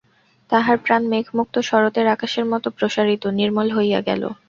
তাহার প্রাণ মেঘমুক্ত শরতের আকাশের মতো প্রসারিত, নির্মল হইয়া গেল।